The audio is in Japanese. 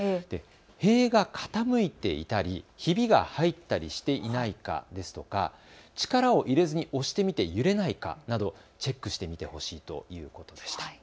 塀が傾いていたりひびが入ったりしていないかですとか力を入れずに押してみて揺れないかなどチェックしてみてほしいということです。